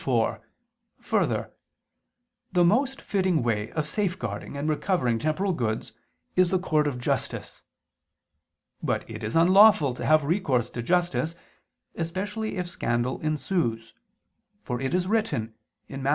4: Further, the most fitting way of safeguarding and recovering temporal goods is the court of justice. But it is unlawful to have recourse to justice, especially if scandal ensues: for it is written (Matt.